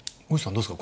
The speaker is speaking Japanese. どうですか